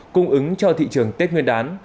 cung ứng cho thị trường tết nguyên đán